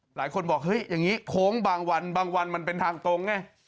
หลายคนบอกเฮ้ยอย่างนี้โค้งบางวันบางวันมันเป็นทางตรงไง